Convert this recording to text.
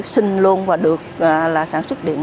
xin luôn và được sản xuất điện